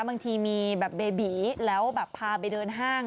บางทีมีแบบเบบีแล้วแบบพาไปเดินห้าง